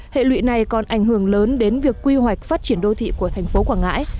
hệ lụy này còn ảnh hưởng lớn đến việc quy hoạch phát triển đô thị của thành phố quảng ngãi